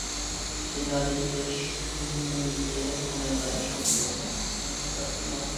সেই নারী পুলিশকে দিয়ে খুনের দায়ে সন্দেহভাজনকে প্রেমের ফাঁদে আটকানো হলো।